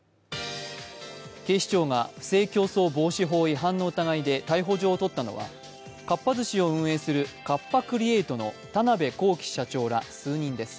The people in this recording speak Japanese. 警視庁が不正競争防止法違反の疑いで逮捕状をとったのは、かっぱ寿司を運営するカッパ・クリエイトの田辺公己社長ら数人です。